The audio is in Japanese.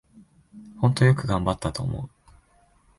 ほんとよく頑張ったと思う